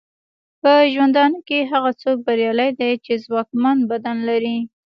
په ژوندانه کې هغه څوک بریالی دی چې ځواکمن بدن لري.